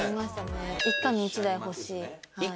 一家に一台欲しい？